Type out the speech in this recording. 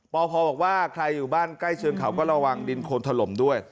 ปพบอกว่าใครอยู่บ้านใกล้เชิงเขาก็ระวังดินโคนถล่มด้วย